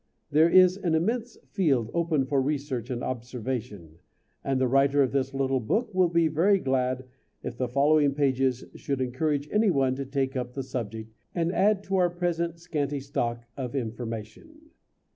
There is an immense field open for research and observation, and the writer of this little book will be very glad if the following pages should encourage any one to take up the subject and add to our present scanty stock of information.